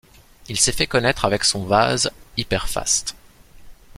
Il s'est fait connaître avec son vase Hyper Fast.